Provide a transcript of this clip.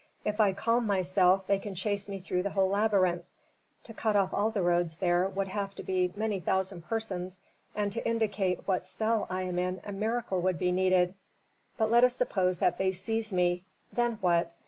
"If I calm myself they can chase me through the whole labyrinth. To cut off all the roads there would have to be many thousand persons, and to indicate what cell I am in a miracle would be needed! But let us suppose that they seize me. Then what?